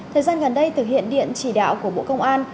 thời gian gần đây thực hiện điện chỉ đạo của bộ công an